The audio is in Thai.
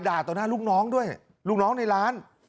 ต่อหน้าลูกน้องด้วยลูกน้องในร้าน